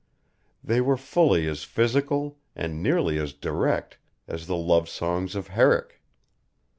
They were fully as physical, and nearly as direct, as the love songs of Herrick.